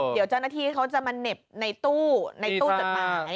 เดี๋ยวหน้าที่เขาจะมาเน็บในตู้ถัดหมาย